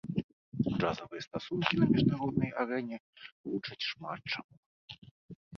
Джазавыя стасункі на міжнароднай арэне вучаць шмат чаму.